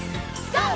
ＧＯ！